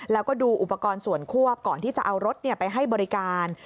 แล้วก็ดูอุปกรณ์ส่วนควบก่อนที่จะเอารถไปให้บริการ